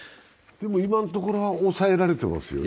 今のところは抑えられていますよね。